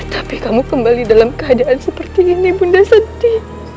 tapi kamu kembali dalam keadaan seperti ini bunda sedih